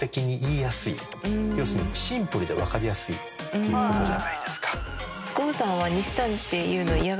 ていうことじゃないですか。